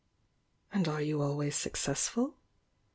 "And are you always successful?"